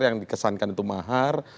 yang dikesankan itu mahar